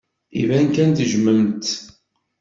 Iban kan tejjmem-tt.